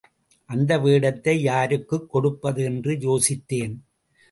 அந்த வேடத்தை யாருக்குக் கொடுப்பது என்று யோசித்தேன்.